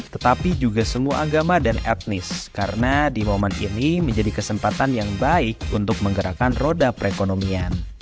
tetapi juga semua agama dan etnis karena di momen ini menjadi kesempatan yang baik untuk menggerakkan roda perekonomian